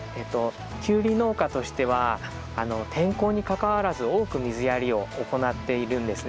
キュウリ農家としては天候にかかわらず多く水やりを行っているんですね。